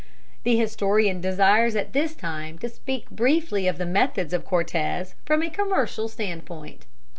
The historian desires at this time to speak briefly of the methods of Cortez from a commercial stand point.